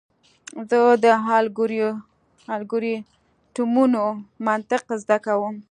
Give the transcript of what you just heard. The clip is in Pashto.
زه د الگوریتمونو منطق زده کوم.